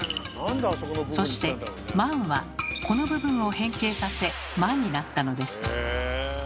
そして「万」はこの部分を変形させ「マ」になったのです。